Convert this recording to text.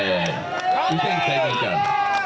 itu yang kita inginkan